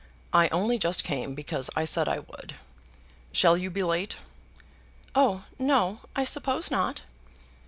"I only just came because I said I would. Shall you be late?" "Oh, no; I suppose not."